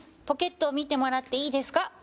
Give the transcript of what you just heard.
ポケットを見てもらっていいですか？